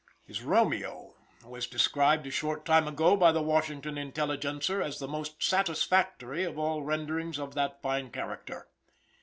His Romeo was described a short time ago by the Washington Intelligencer as the most satisfactory of all renderings of that fine character.